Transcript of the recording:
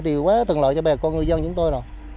thì quá thường loại cho bà con ngư dân chúng tôi rồi